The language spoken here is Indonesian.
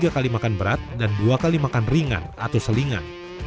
tiga kali makan berat dan dua kali makan ringan atau selingan